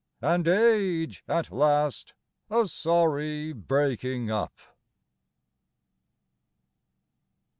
and Age at last A sorry breaking up!